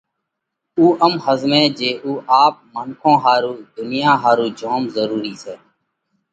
اُو ام ۿزمئه جي اُو آپ منکون ۿارُو، ڌُنيا ۿارُو جوم ضرُورِي سئہ۔